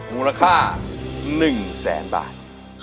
มูลค่า๑แสนบาท